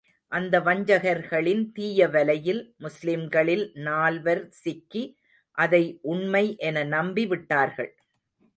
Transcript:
அந்த வஞ்சகர்களின் தீய வலையில், முஸ்லிம்களில் நால்வர் சிக்கி, அதை உண்மை என நம்பி விட்டார்கள்.